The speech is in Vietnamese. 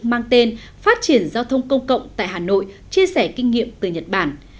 mang tên phát triển giao thông công cộng tại hà nội chia sẻ kinh nghiệm từ nhật bản